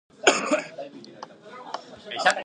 It was initially named "The New York Lunatic Asylum".